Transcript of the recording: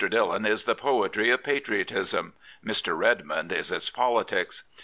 Dillon is the poetry of patriotism; Mr. Redmond is its politics.